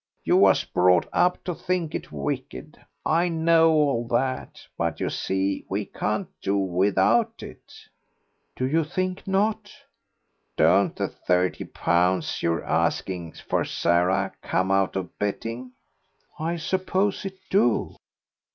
You was brought up to think it wicked. I know all that, but you see we can't do without it." "Do you think not?" "Don't the thirty pounds you're asking for Sarah come out of betting?" "I suppose it do."